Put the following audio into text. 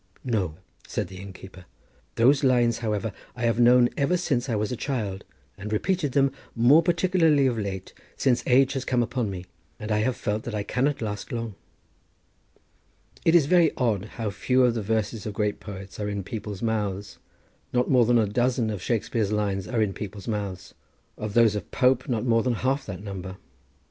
"No," said the innkeeper. "Those lines, however, I have known ever since I was a child, and repeated them, more particularly of late, since age has come upon me, and I have felt that I cannot last long." It was very odd how few of the verses of great poets are in people's mouths. Not more than a dozen of Shakespear's lines are in people's mouths; of those of Pope not more than half that number.